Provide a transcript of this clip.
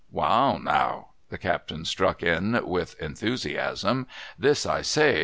' Wa'al now,' the captain struck in, with enthusiasm, ' this I say.